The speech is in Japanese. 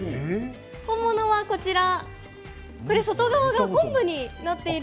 本物は、こちら。